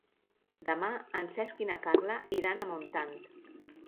Demà en Cesc i na Carla iran a Montant.